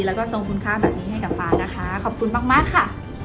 แล้วก็ทรงคุณค่าแบบนี้ให้กับฟ้านะคะขอบคุณมากค่ะ